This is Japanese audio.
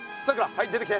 はい出てきて。